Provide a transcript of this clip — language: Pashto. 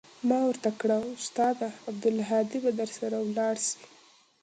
ما ورته كړه استاده عبدالهادي به درسره ولاړ سي.